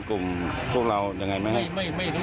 พี่ก็ยิงมาแล้วคงสงสัยว่าทำไมกันสุดนั้น